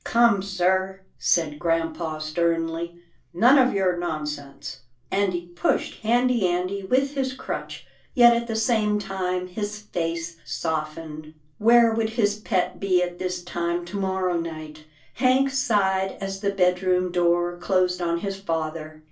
" Come, sir," said grampa sternly, " none of your nonsense," and he pushed Handy Andy with his crutch, yet at the same time, his face softened. Where would his pet be at this time to morrow night ? Hank sighed as the bed room door closed on his father.